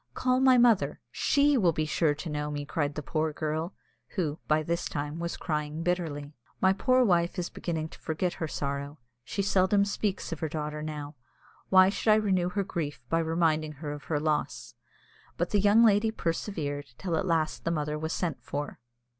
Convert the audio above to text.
"Call my mother, she will be sure to know me," said the poor girl, who, by this time, was crying bitterly. "My poor wife is beginning to forget her sorrow. She seldom speaks of her daughter now. Why should I renew her grief by reminding her of her loss?" But the young lady persevered, till at last the mother was sent for.